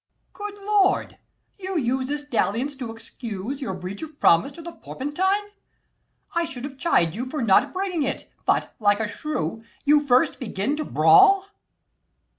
Ant. E. Good Lord! you use this dalliance to excuse Your breach of promise to the Porpentine. I should have chid you for not bringing it, 50 But, like a shrew, you first begin to brawl.